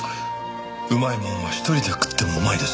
うまいものは一人で食ってもうまいです。